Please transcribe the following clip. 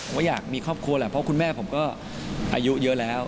ว่าอยากมีครอบครัวแหละเพราะคุณแม่ผมก็อายุเยอะแล้ว